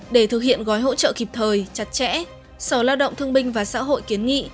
để thực hiện gói hỗ trợ kịp thời chặt chẽ sở lao động thương binh và xã hội kiến nghị